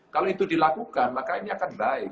kalau itu dilakukan maka ini akan baik